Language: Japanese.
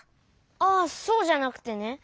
あっそうじゃなくてね。